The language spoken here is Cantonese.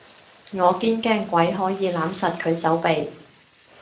我堅驚鬼可以攬實佢手臂